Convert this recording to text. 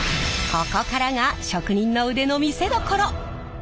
ここからが職人の腕の見せどころ！